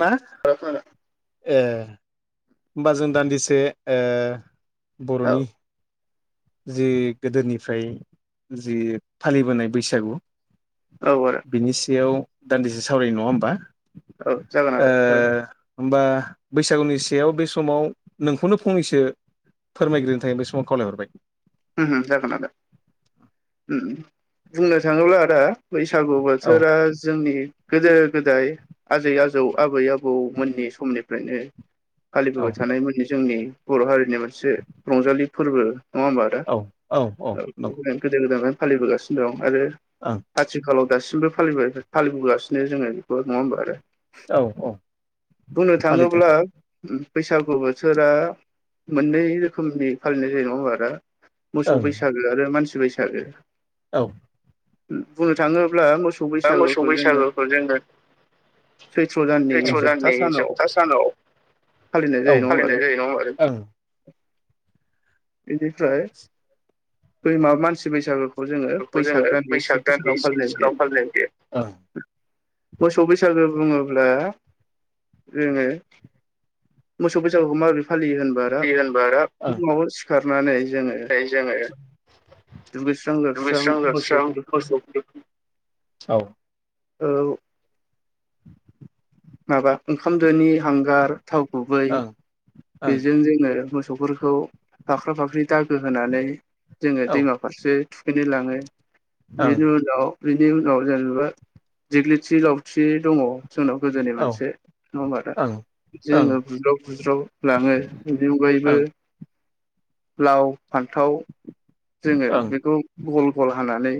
मा औ ए होमबा जों दान्दिसे बर'नि जि गोदोनिफ्राय जि फालिबोनाय बैसागु औ बिनि सायाव दान्दिसे सावरायनाय नङा होमबा? औ जागोन आदा सरि ओ होमबा बैसागुनि सेयाव बे समाव नोंखौनो फंनैसो फोरमायग्रोनो थाखाय बे समाव खावलायहरबाय उम उम जागोन आदा उम बुंनो थाङोब्ला आदा बैसागु औ बोथोरा जोंनि गोदो गोदाय आजै आजौ आबै आबौमोननि समनिफ्रायनो औ फालिबोबाय थानायमोननि जोंनि बर' हारिनि मोनसे रंजालि फोरबो नङा होमबा आदा औ। औ गोदो गोदायनिफ्रायनो फालिबोगासिनो दं आरो ओं आथिखालाव दासिमबो फालि फालिबोगासिनो जोङो बेखौ नङा होमबा आदा औ औ बुंनो फालिदों थाङोब्ला बैसागु बोथोरा मोननै रोखोमनि फालिनाय जायो नङा आदा मोसौ ओं बैसागो आरो मानसि बैसागो औ। बुंनो थाङोब्ला मोसौ बा मोसौ बैसागोखौ जोङो बैसागुखौ जोङो सैथ्र' दाननि सैथ्र' जोबथा दाननि सानाव जोबथा सानाव फालिनाय औ जायो नङा होमबा फालिनाय‌ जायो नङा होमबा बेनिफ्राय बै माबा मानसि बैसागु खौ जोङो फोरखौ जोङो बैसाग दाननि बैसाग सेथि दाननि सानाव सेथि फालिनो हायो फालिनाय जायो। मोसौ बैसागो बुङोब्ला जोङो मोसौ बैसागुखौ माबोरै फालियो होनबा आरो [unintelligible] ओं सिखारनानै जोङो दुगैस्रां जोबस्रां दुगैस्रां लोबस्रां मोसौखौ बे समाव मोसौ औ औ। माबा ओंखामदोनि हांगार थाव गुबै ओं ओं बेजों जोङो मोसौफोरखौ फाख्रा फाख्रि दागो होनानै जोङो औ ओं दैमा फारसे थुखैनो लाङो औ बेनि उनाव बिनि उनाव जेनेबा दिग्लिथि लावथि दङ जोंनाव गोदोनि मोनसे नङा होमबा आदा ओं बिदि जोङो ओं बुज्राव बुज्राव लाङो बिनि अनगायैबो ओं लाव फान्थाव जोङो ओं बेखौ गल गल हानानै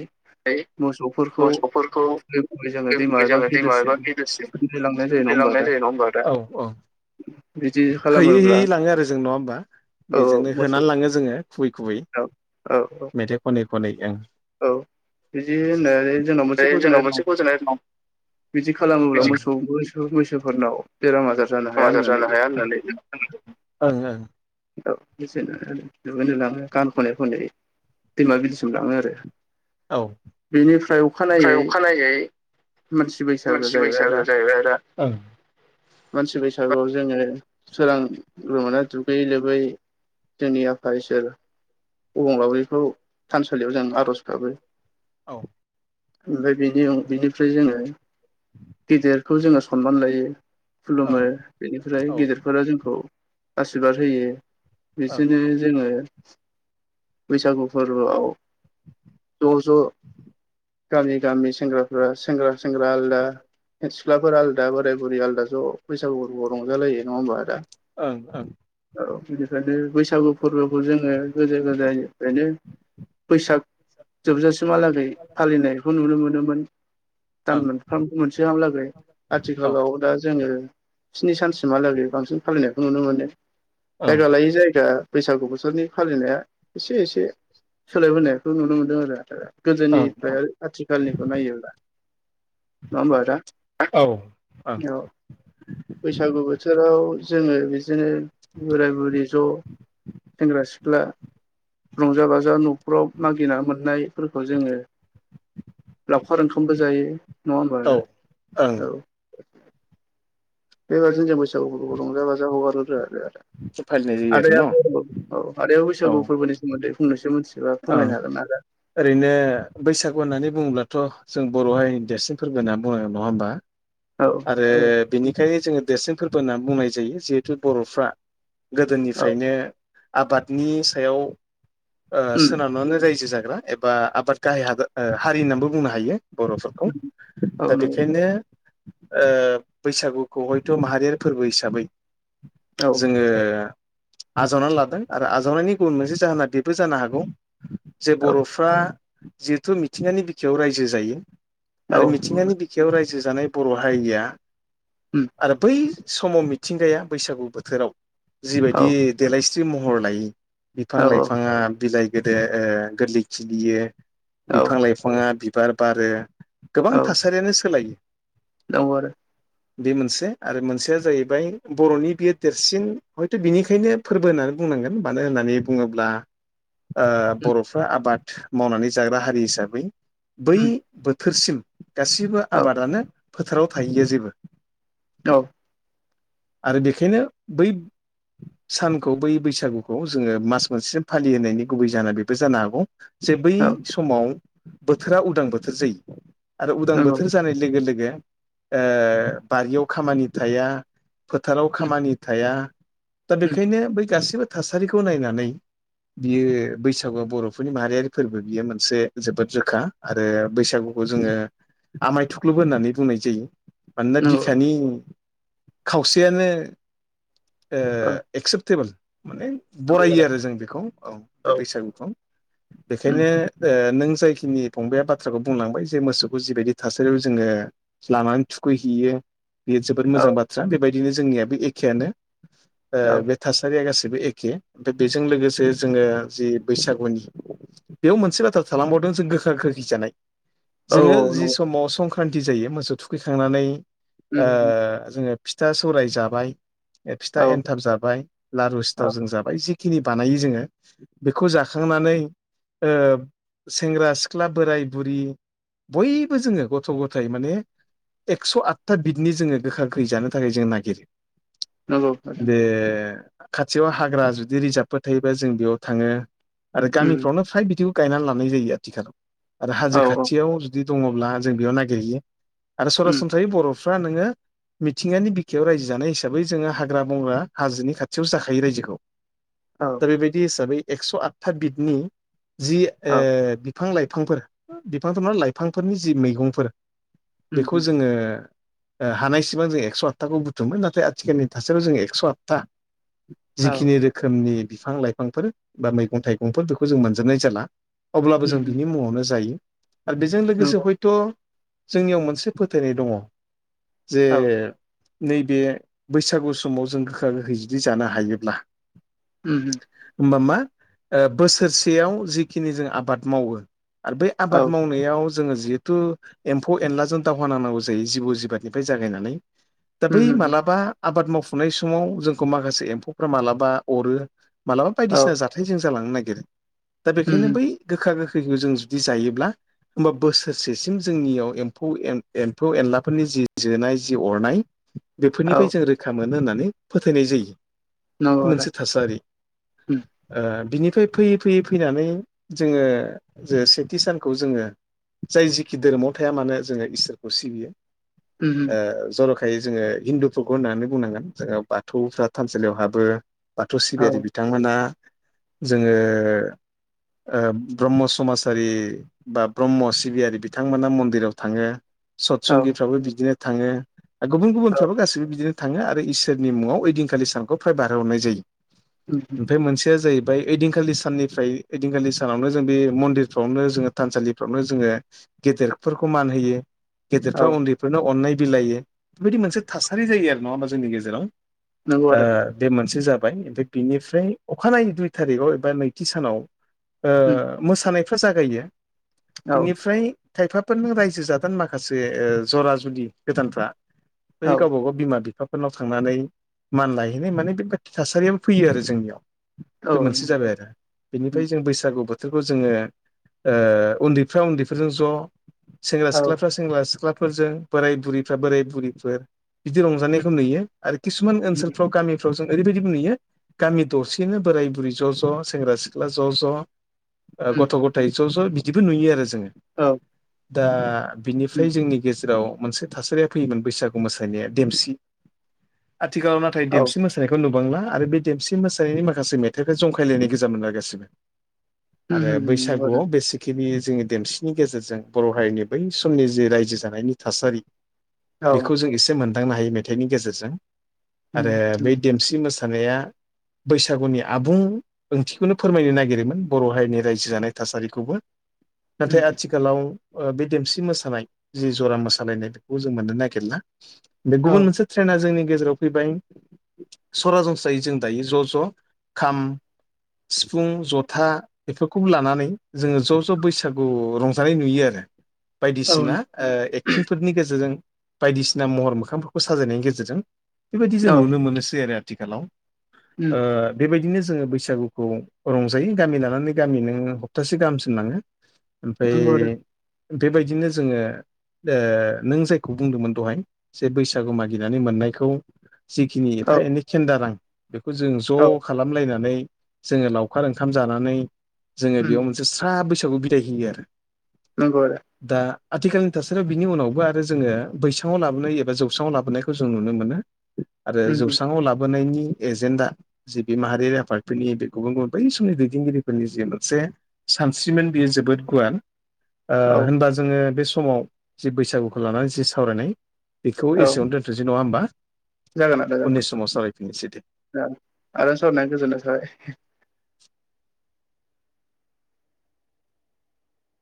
[unintelligible] मोसौफोरखौ मोसौफोरखौ खुबै खुबै जोङो बै दैमा गुबै एबा जोङो दैमा बिलोसिम एबा बिलोसिम थुखैनो लांनाय जायो नङा थुखैनो होमबा लांनाय आदा जायो नङा होमबा औ औ बिदि हैयै खालामोब्ला हैयै लाङो आरो जों नङा होमबा औ बेजोंनो मोसौ होनानै लाङो जोङो खुबै खुबै औ औ मेथाइ खनै खनै ओं औ बिदि होननाय जोंनाव मोनसे ओमफ्राय फोथायनाय जोंनाव दं मोनसे फोथायनाय दं बिदि खालामोब्ला बिदि मोसौखौ मैसोफोरनाव बेराम आजार जानो बेमार हाया आजार होननानै जानो हाया होननानै खोनादों ओं ओं औ बिदिनो गान खनै खनै दैमा बिलोसिम लाङो आरो औ बेनिफ्राय ओमफ्राय अखानायै अखानायै मानसि बैसागु जाहैबाय बैसागो आदा जाहैबाय आरो मानसि बैसागुआव जोङो सोरांग्रो मोना दुग गै लोबै जोंनि आफा इसोर अबंलावरिखौ थानसालियाव जों आर'जगाबो औ ओमफ्राय बिनि ओं बिनिफ्राय जोङो गेदेरखौ जोङो सनमान लायो औ खुलुमो बेनिफ्राय ओं गेदेरफोरा जोंखौ स्रिबाद होयो औ बिसिनो जोङो बैसागु फोरबोआव ज'ज' गामि गामि सेंग्राफ्रा सेंग्रा सेंग्रा आलदा सिख्लाफोर आलदा बोराय बुरि आलदा ज' बैसागुबो रंजालायो नङा हमबा दा ओं ओं औ बेनिखायनो बैसागु फोरबोखौ जोङो गोदो गोदायनिफ्रायनो बैसाग जोबजासिमहालागै फालिनायखौ नुनो मोनोमोन। दान ओं मोनफ्राम मोनसेहलागै औ आथिखालाव दा जोङो स्नि सानसिमहालागै बांसिन फालिनायखौ नुनो मोनो ओं जायगा लायै जायगा बैसागु बोथोरनि फालिनाया एसे एसे सोलायबोनायखौ नुनो मोनदों आरो दा। गोदोनिफ्राय औ आथिखालनिखौ नायोब्ला नङा होमबा आदा? ओं औ बैसागु बोथोराव जोङो बिदिनो बोराय बुरि ज' सेंग्रा सिख्ला रंजा बाजा न' ख्रब मागिना मोननायफोरखौ जोङो लावखार ओंखामबो जायो। नङाहोमबा औ आदा ओं औ। बेबादिनो जों बैसागुफोरखौ रंजा बाजा हगारो आरो आदा। फालिनाय जायो आरो न' औ आदायाथ औ आदायाव बैसागु ओं फोरबोनि सोमोन्दै बुंनोसो मिथि ओ फोरमायनो हागोन आदा? ओरैनो बैसागु होननानै बुङोब्लाथ जों बर' हारिनि देरसिन फोरबो होनना बुङो नङा होमबा? औ आरो बेनिखायनो जोङो देरसिन फोरबो होननानै बुंनाय जायो जिहेथु बर'फ्रा औ गोदोनिफ्रायनो आबादनि सायाव ओ उम सोनारनानै रायजो जाग्रा एबा आबाद गाहाय हादो हारि होननानैबो बुंनो हायो। बर'फोरखौ औ दा नंगौ बेखायनो ओ बैसागुखौ हयथ माहारियारि फोरबो हिसाबै औ जोङो आजावनानै लादों आरो आजावनायनि गुबुन मोनसे जाहोना बेबो जानो हागौ जे औ बर'फो रा जिहेथु मिथिंगानि बिखायाव रायजो जायो औ आरो मिथिंङानि बि खायाव रायजो जानाय बर' हारिया उम आरो बै समाव मिथिंगाया बैसागु बोथोराव औ जिबायदि देलायस्रि महर लायो बिफां औ लाइफाङा बिलाइ गोदो ओ गोरलै खिलियो औ बिफां लाइफां बिफाङा बिबार बारो गोबां थासारियानो सोलाय औ आरो बे मोनसे आरो मोनसेया जाहैबाय बर'नि बियो देरसिन हयथ बिनिखायनो फोरबो होननानै बुंनांगोन मानो होननानै बुङोब्ला ओ उम बर'फ्रा आबाद मावनानै जाग्रा हारि हिसाबै बै उम बोथोरसिम गासिबो औ आबादानो फोथाराव थाहैयो जेबो औ आरो बेखायनो बै सानखौ बै बैसागुखौ जोङो मास मोनसेम फालिहोनायनि गुबै जा बेबो जानो हागौ जे बै औ समाव बोथोरा उदां बोथोर जायो आरो उदां नंगौ बोथोर जानाय लोगो लोगो ओ बारियाव खामानि थाया फोथाराव उम खामानि थाया दा उम बेखायनो बै बे गासिबो थासारिखौ नायनानै बियो बैसागुआव बर'फोरनि माहारियारि फोरबो बियो मोनसे जोबोद रोखा आरो बैसागुखौ जोङो आमाय थुख्लबो होननानै बुंनाय जायो। मानोना नंगौ बिखानि खावसेयानो ओ औ एक्सेप्टेबोल माने बरायो खोनाबाय आरो जों बेखौ औ बे औ बैसागुखौ उम बेखायनो ओ नों जायखिनि फंबाया बाथ्राखौ बुंलांबाय जे मोसौखौ जिबायादि थासारिआव जोङो लांनानै‌ थुखै हैयो बेयो जोबोद औ मोजां बाथ्रा बेबायदिनो जोंनिआ बे एखेयानो ओ औ बे थासारिआ गासिबो एखे दा बेजों लोगोसे जोङो जि बैसागुनि बेआव मोनसे बाथ्रा थालांबावदों जों गोखा गोखै जानाय औ जोङो जि नंगौ समाव संक्रान्ति संक्रान्ति जायो मोसौ थुखैखांनानै उम ओ उम जोङो फिथा सौराय जाबाय ए फिथा औ एनथाब जाबाय लारु सिथाव जों जाबाय जिखिनि बानायो जोङो बेखौ जाखांनानै ओ सेंग्रा सिख्ला बोराय बुरि बयबो जोङो गथ' गथाइ माने एक्स' आतथा बिदनि जोङो गोखा गोखै जानो थाखाय जों नागिरो नंगौ नोंथां बे खाथिआव हाग्रा जुदि रिजार्भफोर थायोबा जों बेआव थाङो आरो उम गामिफ्रावनो फ्राय बिदिबो गायनानै लानाय जायो आथिखालाव आरो हाजो औ खाथिआव जु जुदि दङोब्ला जों बेयाव नागिरहैयो आरो उम सरासनस्रायै बर'फ्रा नोङो मिथिंगानि बिखायाव रायजो जानाय हिसाबै जोङो हाग्रा बंग्रा हाजोनि खाथिआवसो जाखायो रायजोखौ [inaudible] औ दा बेबादि हिसाबै एक्स' आतथा बिदनि जि औ ओ‌ बिफां लाइफांफोर बिफांथ' नङा लाइफांफोरनि जि मैगंफोर उम बेखौ उम जोङो हानाय सिबां जों एकस' आतथाखौ बुथुममो नाथाय आथिखालनि थासारि जों एक्स' आतथा औ जिखिनि रोखोमनि बिफां लाइफांफोर बा मैगं थाइगंफोर बेखौ जों मोनजोबनाय जाला अब्लाबो उम जों बिनि मुंआवनो जायो ओ बेजों लोगोसे नंगौ हयथ' थ' जोंनिआव मोनसे फोथायनाय दङ जे औ नैबे बैसागु समाव जों गोखा गोखै जुदि जानो हायोब्ला उम हो होमबा मा बोसोरसेआव जिखिनि जों आबाद मावो आर बे औ आबाद मावनायाव जोङो जिहेथु एम्फौ एनलाजों दावहा नांनांगौ जायो जिबौ जिबाथनिफ्राय जागायनानै दा उम बै मालाबा आबाद मावफुनाय समाव जोंखौ माखासे एम्फौफ्रा मालाबा अरो मालाबा औ बायदोसिना जाथाय जों जालांनो नागिरो दा उम बेखायनो बै गोखा गोखैखौ जों जुदि जायोब्ला होमबा बोसोरसेसिम जोंनिआव एमफौ एम्फौ एनलाफोरनि जि जोनाय जि अरनाय औ बेफोरनिफ्राय जों रोखा मोनो होननानै फोथायनाय जायो नंगौ बे आदा मोनसे थासारि उम ओ बिनिफ्राय फैयै फैयै फैनानै जोङो ओ जे सेथि सानखौ जोङो जाय जिखि धोरोमाव थाया मानो जोङो इसोरखौ सिबियो उम उम जर'खा खाय जोङो हिन्दुफोरखौ होन्नानै बुंनांगोन जोङो बाथौफ्रा थानसालिआव हाबो बाथौ औ सिबिआरि बिथां बिथांमोना जोङो ओ ब्रह्म समाजारि बा ब्रह्म सिबिआरि बिथांमोना मन्दिराव थाङो औ सतसंगिफ्राबो बिदिनो थाङो गुबुन औ गुबुनफ्राबो गासिबो बिदिनो थाङो आरो इसोरनि मुङाव ओइदिंखालि सानखौ फ्राय बारहोहरनाय जायो उम आमफ्राय मोनसेआ जाहैबाय आमफ्राय ओइदिखालि साननिफ्राय ओइखालि सानावनो जों बे मन्दिरफ्रावनो जोङो थानसालिफ्रावनो जोङो गेदेरफोरखौ मान होयो औ गेदेरफ्रा उन्दैफोरनो अननाय बिलाइायो बेबादि मोनसे थासारि जायो आरो नङा होमबा जोंनि गेजेराव नंगौ आदा ओ बे मोनसे जाबाय आमफ्राय बिनिफ्राय अखानायै दुइ थारिकाव एबा नैथि सानाव उम ओ मोसानायफ्रा जागायो औ बिनिफ्राय खायफाफोर न रायजो जादों माखासे जरा जुलि गोदानफ्रा बै औ गावबा गाव बिमा बिफाफोरनाव थांनानै मान लायहैनाय माने बेबायादि थासारियो फैयो आरो जोंनियाव। बे उम औ मोनसे उम जाबाय आरो। उम बेनिफ्राय जों बैसागु बोथोरखौ जोङो उन्दैफ्रा उन्दैफोरजों ज' सेंग्रा औ सिख्लाफ्रा सेंग्रा सिख्लाफोरजों बोराय बुरिफ्रा बोराय बुरैफोर बिदि रंजानायखौ नुयो आरो किसुमान उम ओनसोलफ्राव गामि जों ओैबायदि मोन नुयो गामि दसेनो बोराय बुरि ज' ज' सेंग्रा सिख्ला ज' ज' गथ' गथाय ज' ज' बिदिबो नुयो आरो जोङो। औ दा उम बिनिफ्राय जोंनि गेजेराव मोनसे थासारिया फैयोमोन बैसागु मोसानाया देमसि आथिखालाव नाथाय देमसि मोसा मोसानायखौ नुबांला आरो बे देमसि मोसानायनि माखासे मेथाइखौ जंखायलायनाय गोजाम मोनला गासिबो आरो नंगौ आदा बैसागुआव बेसे खिबि जोंनि देमसिनि गेजेरजों बर' हारिनि बै समनि जे रायजो जानायनि थासारि बेखौ औ जों एसे मोनदांनो हायो मेथाइनि गेजेरजों उम आरो उम बै देमसि मोसानाय बैसागुनि आबुं ओंथिखौनो फोरमायनो नागिरोमोन बर' हारिनि रायजो जानाय थासारिखौबो ना उम आथिखाल आथिखालाव बे देमसि मोसानाय जि जरा मोसालायनाय बेखौ जों मोननो नागिरला। बे गुबुन मोनसे ट्रेना जोंनि गेजेराव फैबाय सरासनस्रायै जों दायो ज' ज' खाम सिफुं जथा बेफोरखौ लानानै जोङो ज' ज' बैसागु रंजानाय नुयो आरो। औ बायदिसिना एक्टिंफोरनि गेजेरजों बायदिसिना महर मोखांफोरखौ साजायनायनि गेजेरजों बेबायदि जों औ नुनो मोनोसै आरो आथिखालाव उम बेबायदिनो जोङो बैसागुखौ रंजायो गामि लानानै गामि नों हप्तासे गाहामसिन लाङो नंगौ ओमफ्राय आदा बेबायदिनो जोङो नों जायखौ बुंदोंमोन दहाय जे बैसागु मागिनानै मोननायखौ जिखिनि औ एफा एनै खेन्दा रां बेखौ जों औ ज' खालामलायनानै जोङो लावखार ओंखाम जानानै जोङो उम बेयाव स्रा बैसागु बिदाय होयो आरो। नोंगौ आदा दा आथिखालनि थासारियाव बिनि उनावबो आरो जोङो बैसाङाव लाबोनाय एबा जौस्राङाव लाबोनायखौ जों नुनो मोनो। आरो उम उम जौस्राङाव लाबोनायनि एजेन्डा जि बे माहारियारि आफादफोरनि बे गुबुन गुबुन बै समनि दैदेनगिरिफोरनि जि मोनसे सानस्रिमोन बियो जोबोद गुवार औ होनबा जोङो बे समाव जि बैसागुखौ लानानै जि सावरायनाय बेखौ औ एसेयावनो दोन थसै नङा होनोमबा? जागोन आदा जागोन दे आदा आदा सरनायनि गोजोन्नाय थाबाय।